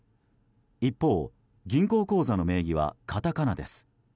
一方、銀行口座の名義はカタカナです。